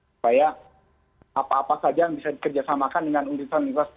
supaya apa apa saja yang bisa dikerjasamakan dengan universitas universitas